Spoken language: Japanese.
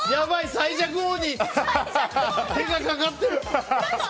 最弱王に手がかかってる。